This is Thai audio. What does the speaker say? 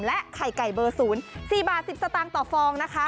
ไข่ไก่เบอร์๐๔บาท๑๐สตางค์ต่อฟองนะคะ